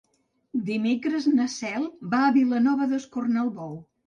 Dimecres na Cel va a Vilanova d'Escornalbou.